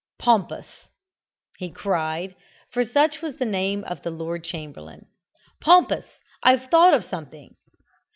"Pompous," he cried (for such was the name of the Lord Chamberlain), "Pompous, I've thought of something!"